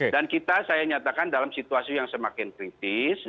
dan kita saya nyatakan dalam situasi yang semakin kritis